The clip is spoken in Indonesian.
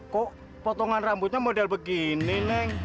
kok potongan rambutnya model begini neng